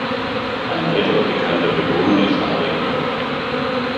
Ein weiterer bekannter Bewohner ist Arik Brauer.